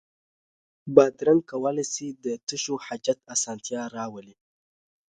بادرنګ کولای شي د تشو حاجت اسانتیا راولي.